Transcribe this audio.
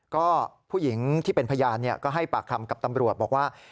ก็ผู้หญิงที่เป็นพยานก็ให้ปากคำกับตำรวจบอกว่า